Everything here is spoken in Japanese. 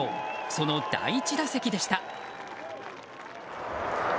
その第１打席でした。